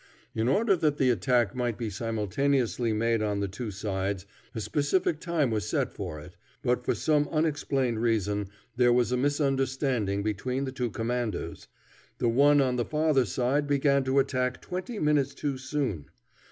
In order that the attack might be simultaneously made on the two sides, a specific time was set for it, but for some unexplained reason there was a misunderstanding between the two commanders. The one on the farther side began the attack twenty minutes too soon.